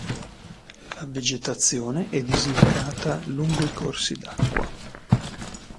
La vegetazione è dislocata lungo i corsi d'acqua.